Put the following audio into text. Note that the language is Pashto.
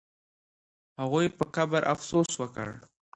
هغوی په قبر افسوس وکړ.